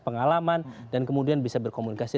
pengalaman dan kemudian bisa berkomunikasi